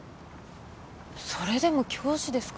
それでも教師ですか？